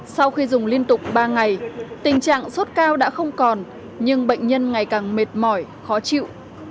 sau khi dùng liên tục ba ngày tình trạng sốt cao đã không còn nhưng bệnh nhân ngày càng mệt mỏi khó chịu